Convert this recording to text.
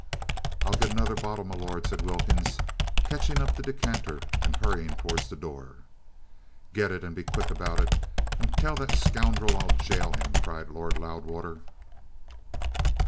"I'll get another bottle, m'lord," said Wilkins, catching up the decanter, and hurrying towards the door. "Get it! And be quick about it! And tell that scoundrel I'll gaol him!" cried Lord Loudwater.